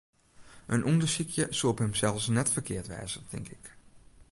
In ûndersykje soe op himsels net ferkeard wêze, tink ik.